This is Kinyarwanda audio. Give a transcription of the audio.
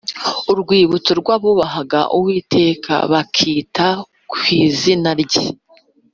urwibutso rw’abubahaga Uwiteka bakita ku izina rye.